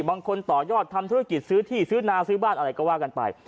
ต่อยอดทำธุรกิจซื้อที่ซื้อนาซื้อบ้านอะไรก็ว่ากันไป